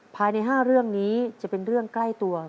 ภายใน๕เรื่องนี้จะเป็นเรื่องใกล้ตัว